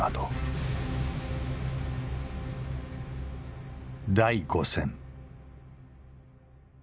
第５戦。